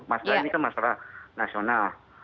masalah ini kan masalah nasional